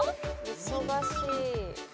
・忙しい。